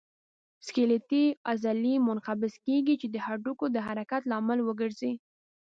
سکلیټي عضلې منقبض کېږي چې د هډوکو د حرکت لامل وګرځي.